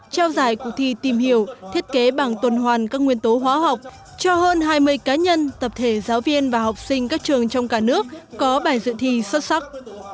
trao giải cuộc thi tìm hiểu thiết kế bằng tuần hoàn các nguyên tố hóa học cho hơn hai mươi cá nhân tập thể giáo viên và học sinh các trường trong cả nước có bài dự thi xuất sắc